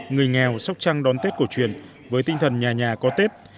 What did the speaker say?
người nghèo sóc trăng đón tết cổ truyền với tinh thần nhà nhà có tết